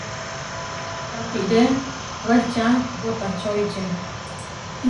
Papiré wehčá poʼtačoiče.